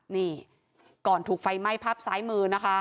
นี่ก่อนถูกไฟไหม้ภาพซ้ายมือนะคะ